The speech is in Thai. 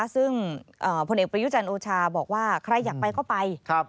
ซึ่งผลเอกประยุจันทร์โอชาบอกว่าใครอยากไปก็ไป